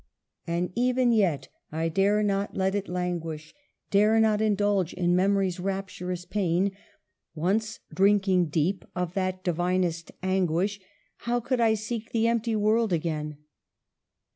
" And, even yet, I dare not let it languish, Dare not indulge in memory's rapturous pain ; Once drinking deep of that divinest anguish, How could I seek the empty world again